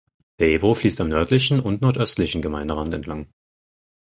Der Ebro fließt am nördlichen und nordöstlichen Gemeinderand entlang.